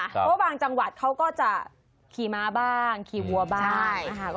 เพราะบางจังหวัดเขาก็จะขี่ม้าบ้างขี่วัวบ้างนะคะ